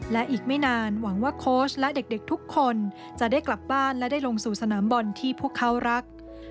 และอีกไม่นานหวังว่าโค้ชและเด็กทุกคนจะได้กลับบ้านและได้ลงสู่สนามบอลที่พวกเขารัก